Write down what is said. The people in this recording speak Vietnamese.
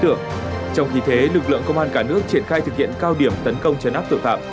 trong khi thế lực lượng công an cả nước triển khai thực hiện cao điểm tấn công chấn áp tội phạm